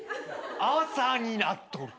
朝になっとる。